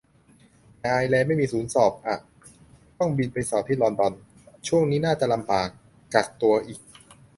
แต่ไอร์แลนด์ไม่มีศูนย์สอบอะ ต้องบินไปสอบที่ลอนดอน ช่วงนี้น่าจะลำบาก กักตัวอีก